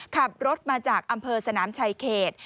ขับรถมาจากอำเภอสนามชายเขต